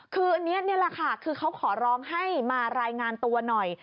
คืออันนี้นี่แหละค่ะคือเขาขอร้องให้มารายงานตัวหน่อย